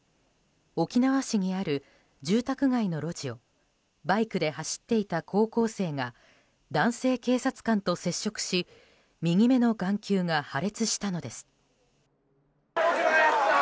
沖縄市にある住宅街の路地をバイクで走っていた高校生が男性警察官と接触し右目の眼球が破裂したのです。